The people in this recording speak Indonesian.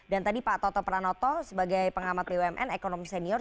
dan tadi pak toto pranoto sebagai pengamat bumn ekonomi senior